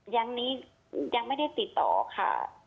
ยังไม่ได้ติดต่อค่ะ